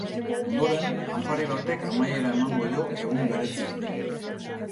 Ondoren, afari batek amaiera emango dio egun berezi honi.